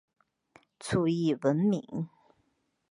卒谥文敏。